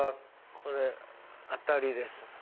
これ当たりです。